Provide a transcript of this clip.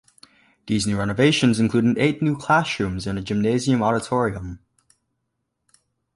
These renovations included eight new classrooms and a gymnasium-auditorium.